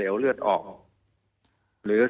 มีความรู้สึกว่ามีความรู้สึกว่า